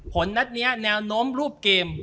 นัดนี้แนวโน้มรูปเกม